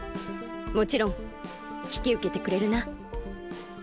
もちろんひきうけてくれるな？